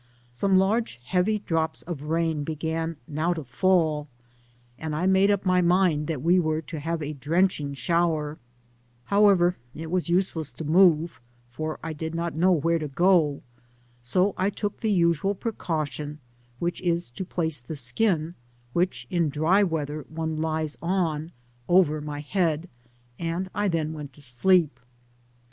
Some large heavy drops of rain began now to fall, and I made up my mind that we were to Jiave a drenching shower ; how ever, it was useless to move, for I did not know where to go, so I took the usual precaution, which Digitized byGoogk S46 THE PAMPAS. is, to place the dkiti which, in dty weather, one lies on, ovet toy head, and I then went to sleep.